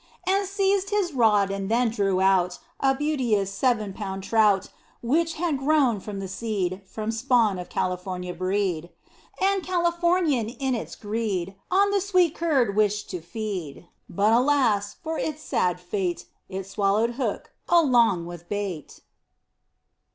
And seized his rod and then drew out A beauteous seven pound trout, Which had grown from the seed From spawn of California breed. And Californian in its greed, On the sweet curd wished to feed; But, alas, for it's sad fate, It swallowed hook along with bait.